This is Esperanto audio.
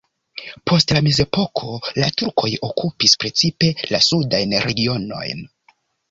Post la mezepoko la turkoj okupis precipe la sudajn regionojn.